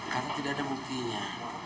karena tidak ada buktinya